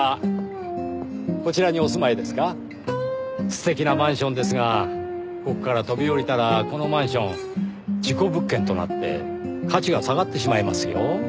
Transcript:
素敵なマンションですがここから飛び降りたらこのマンション事故物件となって価値が下がってしまいますよ。